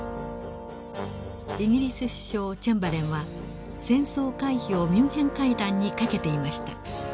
イギリス首相チェンバレンは戦争回避をミュンヘン会談にかけていました。